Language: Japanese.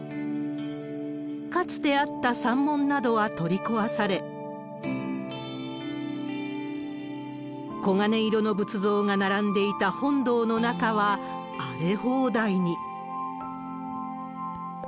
かつてあった山門などは取り壊され、黄金色の仏像が並んでいた本堂の中は荒れ放題に。